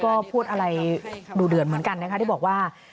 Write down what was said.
ก็พูดอะไรดูเดือดเหมือนกันนะคะที่บอกว่า